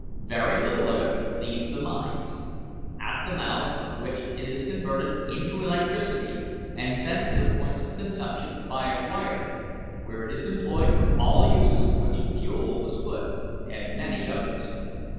Very little of it leaves the mines, at the mouths of which it is converted into electricity and sent to the points of consumption by wire, where it is employed for all uses to which fuel was put, and many others.